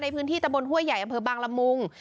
ในพื้นที่ตะบนห้วยใหญ่อำเภอบางละมุง